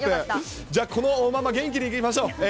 じゃあこのまま元気にいきましょう。